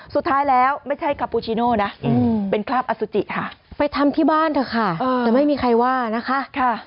สุดท้ายแล้วไม่ใช่คาปูชิโน่นะเป็นคราบอสุจิค่ะไปทำที่บ้านเถอะค่ะแต่ไม่มีใครว่านะคะ